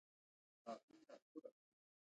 غوښې د افغانستان د بشري فرهنګ برخه ده.